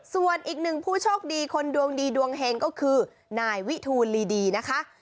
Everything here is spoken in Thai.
ส่วนอีกหนึ่งผู้โชคดีคนดวงดีดวงเฮงก็คือนายวิทูลลีดีนะคะ